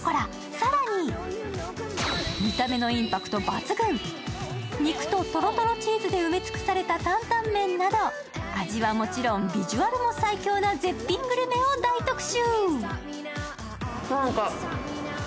更に、見た目のインパクト抜群、肉ととろとろチーズで埋めつくされた坦々麺など味はもちろん、ビジュアルも最強な絶品グルメを大特集。